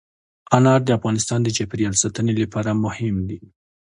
انار د افغانستان د چاپیریال ساتنې لپاره مهم دي.